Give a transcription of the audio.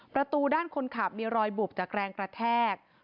ประตูด้านคนขับมีรอยบุบจากแรงกระแทก